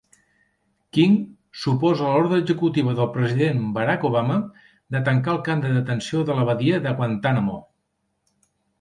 King s'oposa a l'ordre executiva del president Barack Obama de tancar el camp de detenció de la badia de Guantánamo.